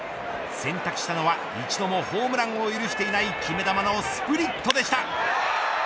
選択したのは一度もホームランを許されていない決め球のスプリットでした。